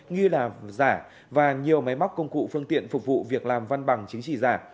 nghi là giả và nhiều máy móc công cụ phương tiện phục vụ việc làm văn bằng chứng chỉ giả